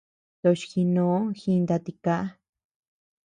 Toch jinoo, jinta tikaa.